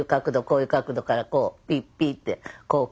こういう角度からこうピッピッて。